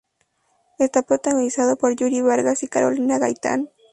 Está protagonizada por Yuri Vargas y Carolina Gaitán.